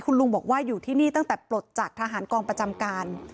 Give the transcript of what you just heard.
คุณลุงบอกว่าอยู่ที่นี่ตั้งแต่ปลดจากทหารกองประจำการ